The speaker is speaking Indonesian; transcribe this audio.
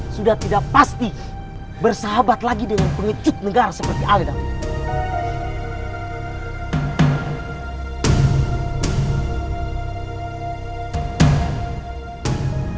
sudah tidak pasti bersahabat lagi dengan pengecut negara seperti ale dhanfi